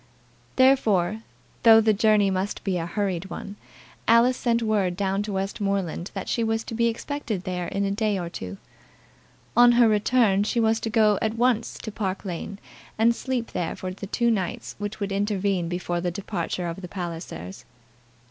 Therefore, though the journey must be a hurried one, Alice sent word down to Westmoreland that she was to be expected there in a day or two. On her return she was to go at once to Park Lane, and sleep there for the two nights which would intervene before the departure of the Pallisers.